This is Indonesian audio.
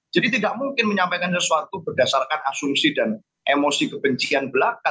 jadi tidak mungkin menyampaikan sesuatu berdasarkan asumsi dan emosi kebencian belaka